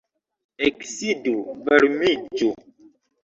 Eksidu, varmiĝu.